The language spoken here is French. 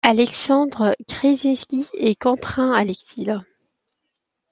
Alexandre Krysiński est contraint à l'exil.